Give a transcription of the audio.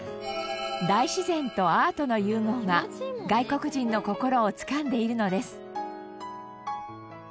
大自然とアートの融合が外国人の心をつかんでいるのです。